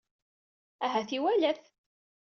Ahat iwala-t.